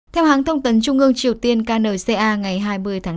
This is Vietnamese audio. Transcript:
theo hãng thông tấn trung ương triều tiên kcna ngày hai mươi tháng năm